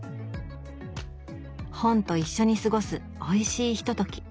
本と一緒に過ごすおいしいひととき。